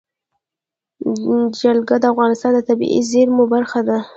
جلګه د افغانستان د طبیعي زیرمو برخه ده.